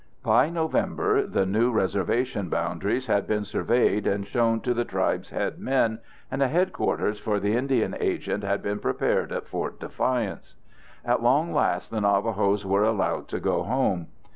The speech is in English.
By November the new reservation boundaries had been surveyed and shown to the tribe's head men, and a headquarters for the Indian agent had been prepared at Fort Defiance. At long last the Navajos were allowed to go home.